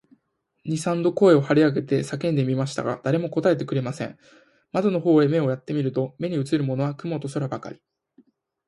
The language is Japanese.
二三度声を張り上げて呼んでみましたが、誰も答えてくれません。窓の方へ目をやって見ると、目にうつるものは雲と空ばかり、